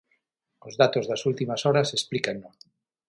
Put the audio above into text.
Os datos das últimas horas explícano.